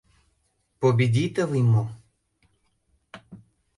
— Победитовый мо?